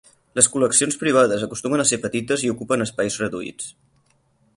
Les col·leccions privades acostumen a ser petites i ocupen espais reduïts.